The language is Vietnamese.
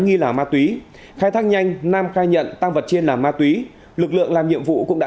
nghi là ma túy khai thác nhanh nam khai nhận tăng vật trên là ma túy lực lượng làm nhiệm vụ cũng đã